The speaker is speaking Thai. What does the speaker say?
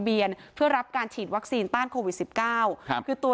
เพื่อรับการฉีดวัคซีนต้านโควิดสิบเก้าครับคือตัว